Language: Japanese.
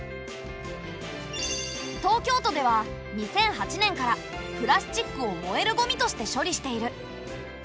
東京都では２００８年からプラスチックを燃えるゴミとして処理している。